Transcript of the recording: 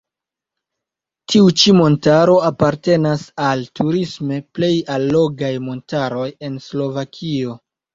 Tiu ĉi montaro apartenas al turisme plej allogaj montaroj en Slovakio.